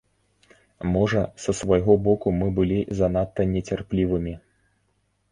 Можа, са свайго боку мы былі занадта нецярплівымі.